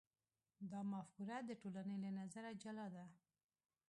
دا مفکوره د ټولنې له نظره جلا ده.